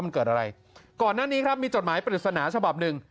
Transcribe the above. ตอนนั้นนี้ครับมีจดหมายปริศนาชบ๑